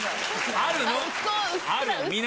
あるの。